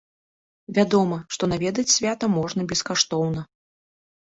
Вядома, што наведаць свята можна бескаштоўна.